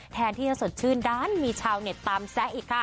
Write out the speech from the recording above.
แทนที่จะสดชื่นด้านมีชาวเน็ตตามแซะอีกค่ะ